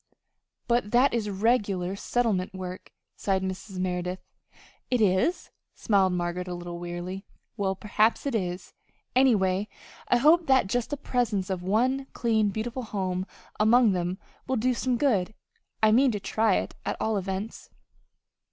"But that is regular settlement work," sighed Mrs. Merideth. "Is it?" smiled Margaret, a little wearily. "Well, perhaps it is. Anyway, I hope that just the presence of one clean, beautiful home among them will do some good. I mean to try it, at all events."